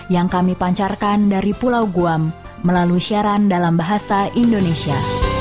yang kami pancarkan dari pulau guam melalui siaran dalam bahasa indonesia